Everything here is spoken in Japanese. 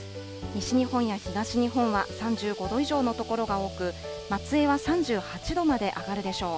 西日本や東日本は３５度以上の所が多く、松江は３８度まで上がるでしょう。